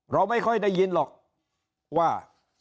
เราไม่ค่อยได้ยินหรอกว่า